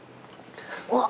うわっ。